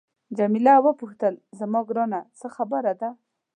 جميله وپوښتل زما ګرانه څه خبره ده.